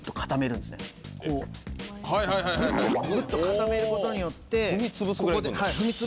グッと固めることによって。